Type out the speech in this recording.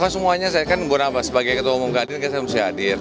kalau semuanya saya kan sebagai ketua umum kehadir saya harus hadir